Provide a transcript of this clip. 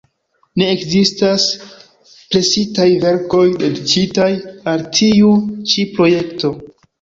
Ne ekzistas presitaj verkoj, dediĉitaj al tiu ĉi projekto".